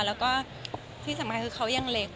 แล้วก็ที่สำคัญคือเขายังเล็ก